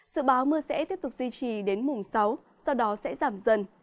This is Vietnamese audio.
sự báo mưa sẽ tiếp tục duy trì đến mùng sáu sau đó sẽ giảm dần